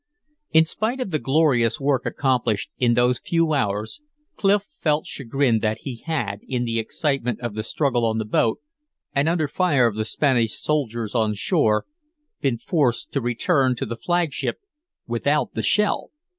In spite of the glorious work accomplished in those few hours Clif felt chagrined that he had, in the excitement of the struggle on the boat and under fire of the Spanish soldiers on shore, been forced to return to the flagship without the shell.